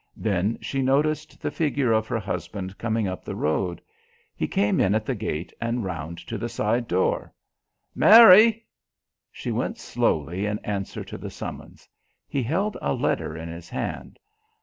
Then she noticed the figure of her husband coming up the road. He came in at the gate and round to the side door. "Mary!" She went slowly in answer to the summons. He held a letter in his hand.